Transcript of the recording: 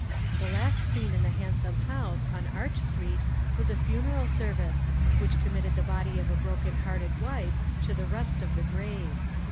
The last scene in the handsome house, on Arch street, was a funeral service, which committed the body of a broken hearted wife to the rest of the grave.